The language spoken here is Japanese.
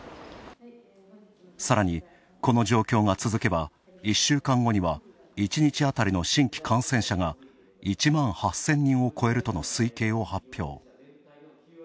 さらに、この状況が続けば１週間後には１日当たりの新規感染者が１万８０００人を超えるとの推計を発表。